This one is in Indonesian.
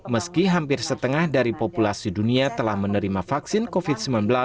meski hampir setengah dari populasi dunia telah menerima vaksin covid sembilan belas